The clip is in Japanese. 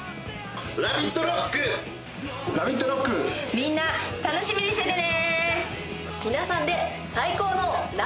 みんな楽しみにしててね。